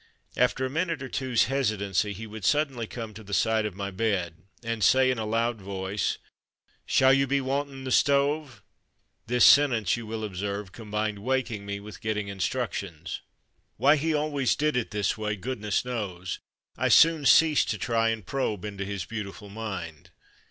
56 From Mud to Mufti After a minute or two's hesitancy he would suddenly come to the side of my bed and say in a loud voice, "Shall you be wantin' the stove?'' This sentence, you will observe, combined waking me with getting instruc tions. Why he always did it this way good ness knows; I soon ceased to try and probe into his beautiful mind.